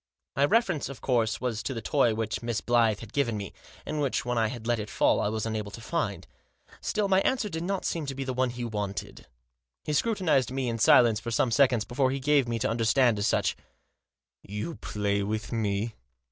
My reference, of course, was to the toy which Miss Blyth had given me, and which, when I had let it fall, I was unable to find. Still my answer did not seem to be the one he wanted. He scrutinised me in silence for some seconds before he gave me to under stand as much. " You play with me